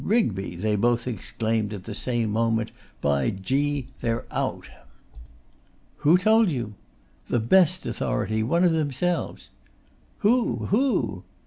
Rigby!' they both exclaimed at the same moment. 'By G they're out!' 'Who told you?' 'The best authority; one of themselves.' 'Who? who?